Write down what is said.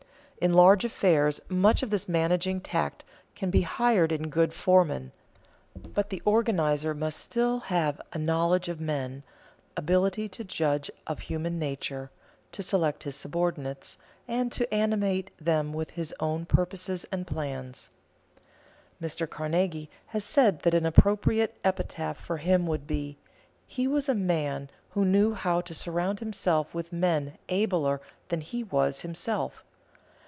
In large affairs much of this managing tact can be hired in good foremen; but the organizer must still have a knowledge of men, ability to judge of human nature, to select his subordinates, and to animate them with his own purposes and plans. Mr. Carnegie has said that an appropriate epitaph for himself would be, "He was a man who knew how to surround himself with men abler than he was himself."